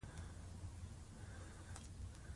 افغانستان په نړۍ کې د خپلو ځنګلي حاصلاتو له امله مشهور دی.